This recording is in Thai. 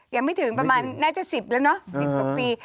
ยังไม่ถึงประมาณน่าจะ๑๐แล้ว๒๙ปี